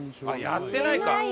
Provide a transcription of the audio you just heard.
やってないか。